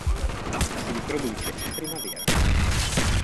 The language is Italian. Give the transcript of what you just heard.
Si riproduce in primavera.